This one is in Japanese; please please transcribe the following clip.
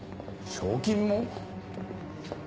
賞金も？